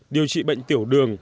điều trị bệnh tiểu đường